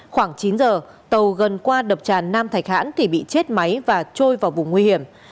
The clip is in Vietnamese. khoảng chín giờ tàu gần qua đập tràn nam thạch hãn thì bị chết máy và trôi vào vùng nguy hiểm